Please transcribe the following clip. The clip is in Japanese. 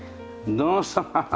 どうぞ。